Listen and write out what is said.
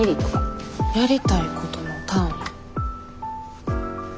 やりたいことの単位。